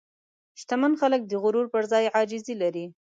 شتمن خلک د غرور پر ځای عاجزي لري.